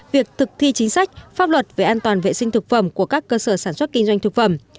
việc thực thi chính sách pháp luật về an toàn vệ sinh thực phẩm của các cơ sở sản xuất kinh doanh thực phẩm